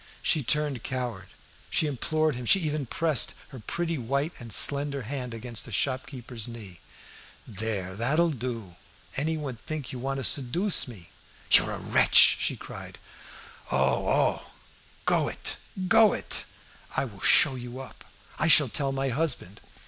She turned coward; she implored him; she even pressed her pretty white and slender hand against the shopkeeper's knee. "There, that'll do! Anyone'd think you wanted to seduce me!" "You are a wretch!" she cried. "Oh, oh! go it! go it!" "I will show you up. I shall tell my husband."